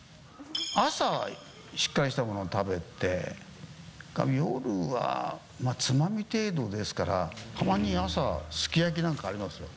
朝はしっかりしたものを食べて、それから夜は、まぁ、つまみ程度ですから、たまに朝、すき焼きなんかありますよ。